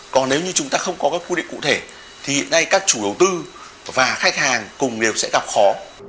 còn nếu như chúng ta không có các quy định cụ thể thì hiện nay các chủ đầu tư và khách hàng cùng đều sẽ gặp khó